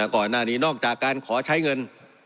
ก่อนหน้านี้นอกจากการขอใช้เงิน